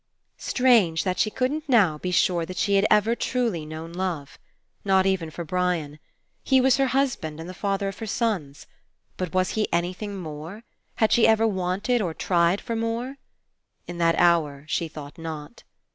Strange, that she couldn't now be sure that she had ever truly known love. Not even for Brian. He was her husband and the father of her sons. But was he anything more? Had she ever wanted or tried for more ? In that hour she thought not.